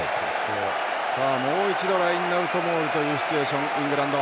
もう一度ラインアウトボールというシチュエーション、イングランド。